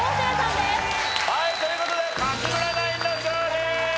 はいという事で勝村ナインの勝利！